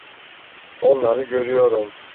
Onları görüyorum.